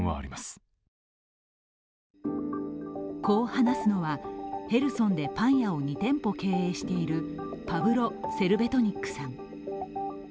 こう話すのは、ヘルソンでパン屋を２店舗経営しているパブロ・セルベトニックさん。